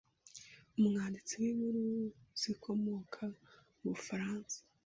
umwanditsi w’inkuru zikomoka mu Bufaransa